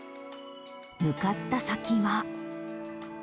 向かった先は。